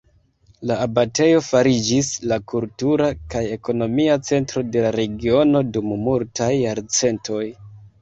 La abatejo fariĝis la kultura kaj ekonomia centro de la regiono dum multaj jarcentoj.